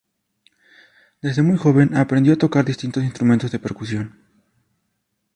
Desde muy joven aprendió a tocar distintos instrumentos de percusión.